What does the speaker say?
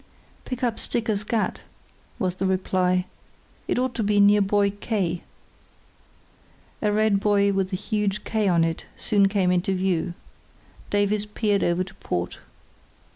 "Pick up Sticker's Gat," was the reply. "It ought to be near Buoy K." A red buoy with a huge K on it soon came into view. Davies peered over to port.